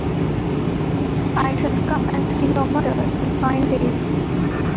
I shall come and see your mother some fine day.